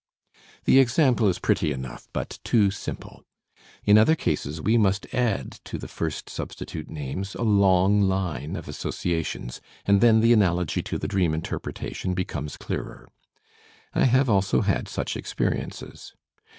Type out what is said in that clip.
The example is pretty enough, but too simple. In other cases we must add to the first substitute names a long line of associations, and then the analogy to the dream interpretation becomes clearer. I have also had such experiences.